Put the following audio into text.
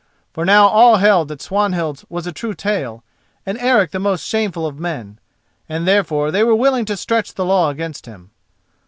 For now all held that Swanhild's was a true tale, and Eric the most shameful of men, and therefore they were willing to stretch the law against him.